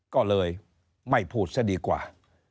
ก็เลยไม่พูดซะดีกว่า